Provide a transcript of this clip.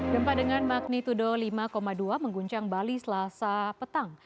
gempa dengan magnitudo lima dua mengguncang bali selasa petang